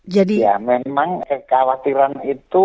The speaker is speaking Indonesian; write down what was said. ya memang kekhawatiran itu